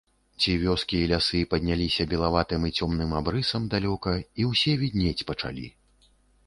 Ці вёскі, ці лясы падняліся белаватым і цёмным абрысам далёка, і ўсе віднець пачалі.